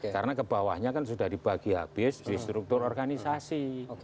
karena kebawahnya kan sudah dibagi habis di struktur organisasi